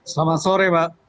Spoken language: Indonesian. selamat sore mbak